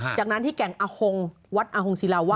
จากนั้นที่แก่งสิราวาสวัดสิราวาส